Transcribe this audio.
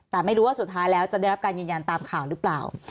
แต่ไม่รู้ว่าสุดท้ายแล้วจะได้รับการยืนยันตามข่าวหรือเปล่า